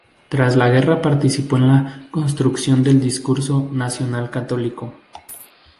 Tras la guerra participó en la construcción del discurso nacional-católico.